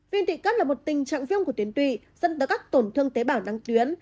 viên tụy cấp là một tình trạng viêm của tuyến tụy dẫn tới các tổn thương tế bào năng tuyến